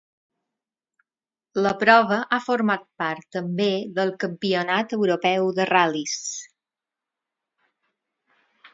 La prova ha format part també del campionat europeu de ral·lis.